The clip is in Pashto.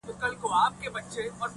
سترګي مړې شونډي په غاښ کي